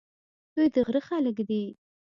دوی د غره خلک دي.